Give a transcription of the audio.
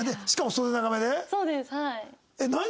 そうですはい。